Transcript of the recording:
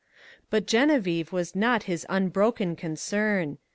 But Geneviève was not his unbroken concern.